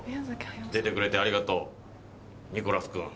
出てくれてありがとうニコラス君。